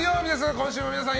今週も皆さん